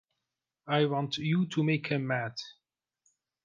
I want you to make him mad.